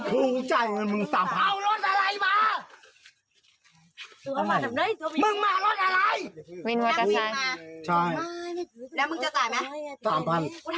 พี่ไปตัว